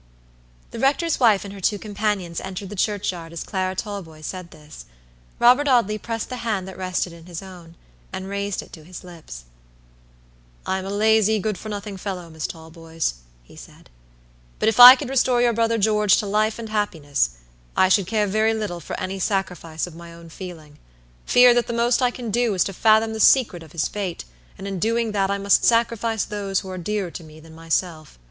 The rector's wife and her two companions entered the churchyard as Clara Talboys said this. Robert Audley pressed the hand that rested in his own, and raised it to his lips. "I am a lazy, good for nothing fellow, Miss Talboys," he said; "but if I could restore your brother George to life and happiness, I should care very little for any sacrifice of my own feeling, fear that the most I can do is to fathom the secret of his fate and in doing that I must sacrifice those who are dearer to me than myself."